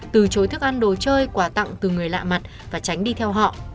từ chối thức ăn đồ chơi quà tặng từ người lạ mặt và tránh đi theo họ